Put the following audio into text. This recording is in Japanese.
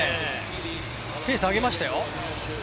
ペース上げましたよ。